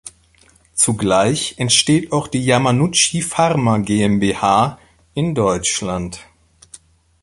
Zugleich entsteht auch die Yamanouchi Pharma GmbH in Deutschland.